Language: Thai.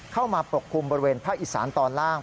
เข้ามาปกคลุมบริเวณภาคอิสรรค์ตอนล่าง